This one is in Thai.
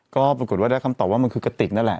ก็ปรากฏว่าได้คำตอบว่ามันคือกระติกนั่นแหละ